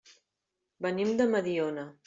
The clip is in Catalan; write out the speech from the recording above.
Venim de Mediona.